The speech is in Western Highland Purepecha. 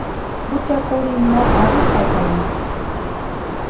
Jucha kurhinta ma arhupankurhiska.